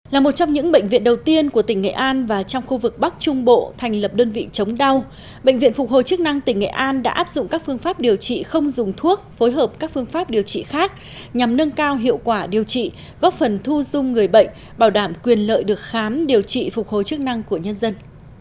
là một trong những bệnh viện đầu tiên của tỉnh nghệ an và trong khu vực bắc trung bộ thành lập đơn vị chống đau bệnh viện phục hồi chức năng tỉnh nghệ an đã áp dụng các phương pháp điều trị không dùng thuốc phối hợp các phương pháp điều trị khác nhằm nâng cao hiệu quả điều trị góp phần thu dung người bệnh bảo đảm quyền lợi được khám điều trị phục hồi chức năng của nhân dân